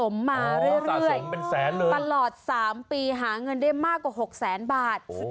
เขาเก็บสะสมมาเรื่อยตลอด๓ปีหาเงินได้มากกว่า๖๐๐๐๐๐บาท